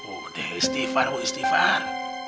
udah istighfar bu istighfar